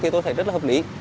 thì tôi thấy rất là hợp lý